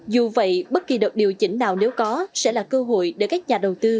dù vậy bất kỳ đợt điều chỉnh nào nếu có sẽ là cơ hội để các nhà đầu tư